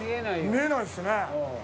見えないですね。